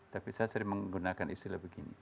tapi saya sering menggunakan istilah begini